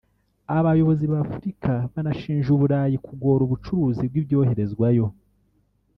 Abayobozi ba Afurika banashinja u Burayi kugora ubucuruzi bw’ibyoherezwayo